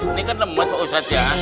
ini kan lemas pak ustadz ya